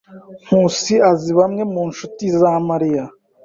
Nkusi azi bamwe mu nshuti za Mariya.